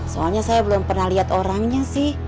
soalnya saya belum pernah lihat orangnya sih